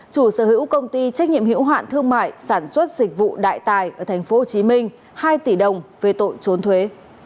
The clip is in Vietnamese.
chủ sở hữu công ty trách nhiệm hiểu hạn thương mại sản xuất dịch vụ đại tài ở tp hcm hai tỷ đồng về tội trốn thuế